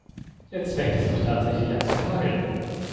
Jetzt fängt es doch tatsächlich an zu hageln.